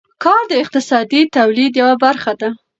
کار د اقتصادي تولید یوه برخه ده.